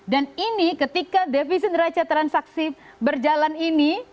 dan ini ketika defisit neraca transaksi berjalan ini